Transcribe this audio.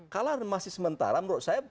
kalah masih sementara menurut saya